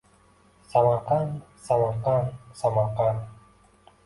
Samarqand Samarqand Samarqand